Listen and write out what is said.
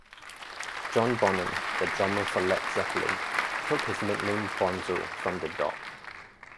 John Bonham, the drummer for Led Zeppelin, took his nickname "Bonzo" from the dog.